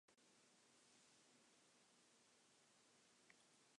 A delayed pulse was derived from the recovered line-sync signal.